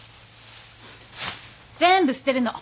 全部捨てるの。